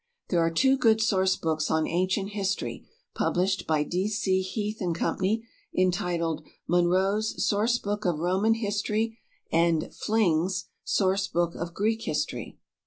There are two good source books on Ancient History published by D. C. Heath & Co., entitled Munro's "Source Book of Roman History" and Fling's "Source Book of Greek History."